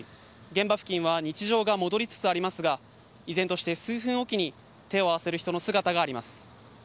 現場付近は日常が戻りつつありますが依然として、数分おきに手を合わせる人の姿があります。